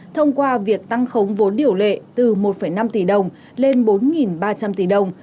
thông qua việc tăng khống vốn điều lệ từ một năm tỷ đồng lên bốn ba trăm linh tỷ đồng